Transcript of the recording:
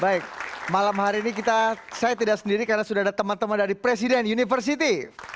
baik malam hari ini saya tidak sendiri karena sudah ada teman teman dari presiden university